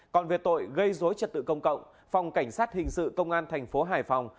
còn về tội gây dối trật tự công cộng phòng cảnh sát hình sự công an thành phố hải phòng